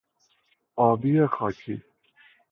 آبی خاکی